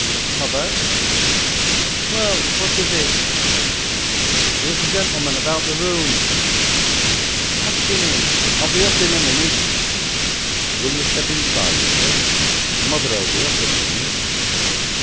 "Mother!" "Well, what is it?" "'Ere's a gentleman about the rooms." "Ask 'im in. I'll be up in a minute." "Will yer step inside, sir? Mother'll be up in a minute."